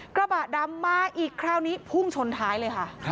กระบะดำมาอีกคราวนี้พุ่งชนท้ายเลยค่ะ